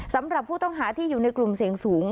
สำหรับผู้ต้องหาที่อยู่ในกลุ่มเสี่ยงสูง